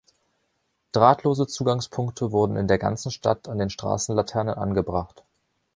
Drahtlose Zugangspunkte wurden in der ganzen Stadt an den Straßenlaternen angebracht.